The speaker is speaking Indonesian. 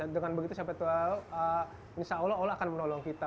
dengan begitu insya allah allah akan menolong kita